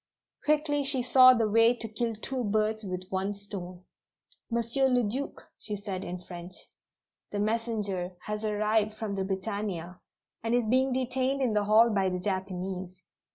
Quickly she saw the way to kill two birds with one stone. "Monsieur le Duc," she said in French. "The messenger has arrived from the Britannia, and is being detained in the hall by the Japanese.